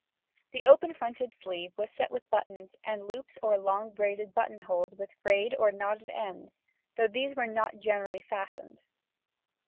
The open fronted sleeve was set with buttons and loops or long braided buttonholes with frayed or knotted ends, though these were not generally fastened.